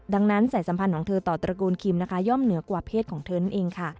ดังนั้นสายสัมพันธ์ของเธอต่อตระกูลคิมนะคะย่อมเหนือกว่าเพศของเธอนั่นเองค่ะ